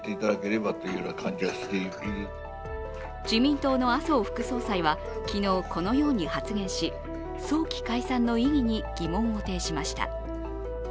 自民党の麻生副総裁は昨日このように発言し、早期解散の意義に疑問を呈しました。